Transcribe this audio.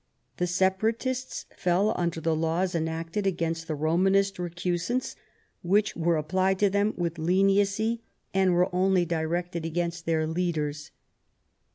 The Separatists fell under the laws enacted against the Romanist recusants, which were applied to them with leniency, and were only directed against their leaders.